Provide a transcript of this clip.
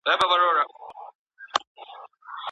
قلمي خط په ټاکلي وخت کي د کار بشپړول غواړي.